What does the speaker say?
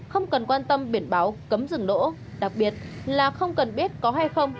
không cần quan tâm biển báo cấm rừng đỗ đặc biệt là không cần biết có hay không